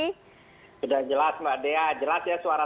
sudah jelas mbak dea jelas ya suara